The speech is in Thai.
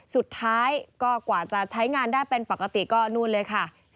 สุดท้ายก็กว่าจะใช้งานได้เป็นปกติก็นู่นเลยค่ะ